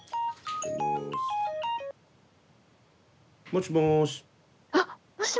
もしもし。